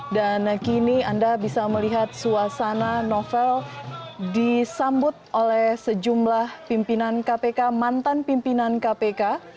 dan kini anda bisa melihat suasana novel disambut oleh sejumlah pimpinan kpk mantan pimpinan kpk